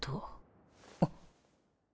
あっ。